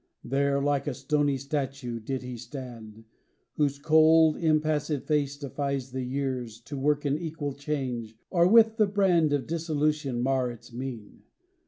There like a stony statue did he stand, Whose cold impassive face defies the years To work an equal change, or with the brand Of dissolution mar its mien.